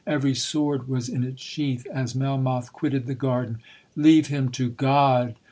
Every sword was in its sheath as Melmoth quitted the garden. 'Leave him to God!'